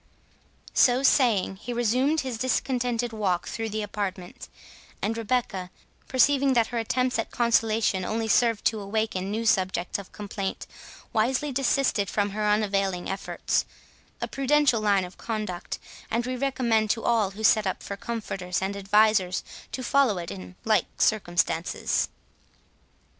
So saying, he resumed his discontented walk through the apartment; and Rebecca, perceiving that her attempts at consolation only served to awaken new subjects of complaint, wisely desisted from her unavailing efforts—a prudential line of conduct, and we recommend to all who set up for comforters and advisers, to follow it in the like circumstances.